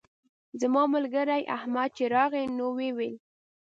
زما ملګری احمد چې راغی نو ویې ویل.